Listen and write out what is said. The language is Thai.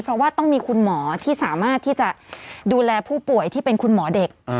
เพราะว่าต้องมีคุณหมอที่สามารถที่จะดูแลผู้ป่วยที่เป็นคุณหมอเด็ก